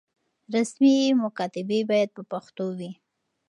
رسمي مکاتبې بايد په پښتو وي.